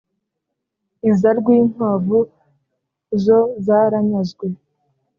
Iza Rwinkwavu zo zaranyazwe